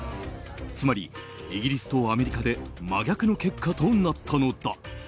つまり、イギリスとアメリカで真逆の結果となったのだ。